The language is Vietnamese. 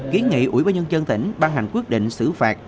ký nghị ủy ba nhân chân tỉnh ban hành quyết định xử phạt